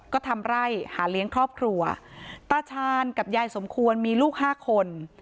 ก็ทำไร่หาเลี้ยงครอบครัวตาชาญกับยายสมควรมีลูกห้าคน